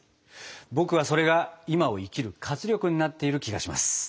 僕はそれが今を生きる活力になっている気がします。